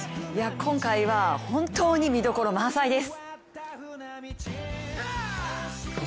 今回は本当に見どころ満載です。